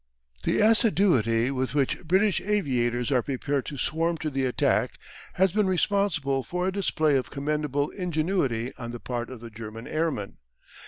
The assiduity with which British aviators are prepared to swarm to the attack has been responsible for a display of commendable ingenuity on the part of the German airman.